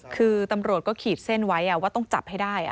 คือตำรวจก็ขีดเส้นไว้ว่าต้องจับให้ได้